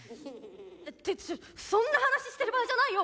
ってちょっとそんな話してる場合じゃないよ。